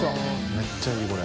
めっちゃいいこれ。